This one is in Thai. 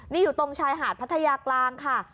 นี่อยู่ตรงชายหาดพัทยากลางค่ะ